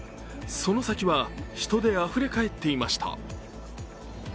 その先は人であふれ返っていました。